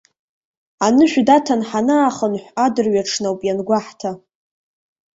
Анышә даҭан ҳанаахынҳә адырҩаҽны ауп иангәаҳҭа.